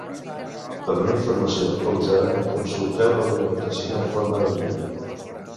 Per una informació actualitzada, consulteu la documentació en forma de guia.